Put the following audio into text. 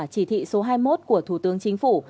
chỉ thị số hai mươi một của thủ tướng chính phủ